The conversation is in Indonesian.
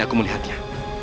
mungkin aku melihatnya